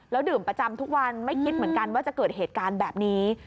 ดื่มประจำทุกวันไม่คิดเหมือนกันว่าจะเกิดเหตุการณ์แบบนี้